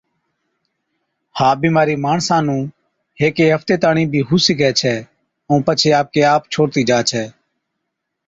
ها بِيمارِي ماڻسا نُون هيڪي هفتي تاڻِين بِي هُو سِگھَي ڇَي ائُون پڇي آپڪي آپ ڇوڙتِي جا ڇَي۔